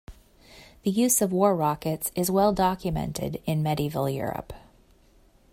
The use of war-rockets is well documented in Medieval Europe.